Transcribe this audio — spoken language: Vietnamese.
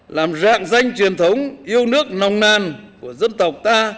làm rạng danh truyền thống yêu nước nồng nàn của dân tộc ta